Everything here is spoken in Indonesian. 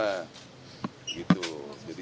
jadi karena memang riskan